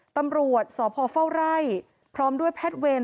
ตำรวจสพเฝ้าไร่พร้อมด้วยแพทย์เวร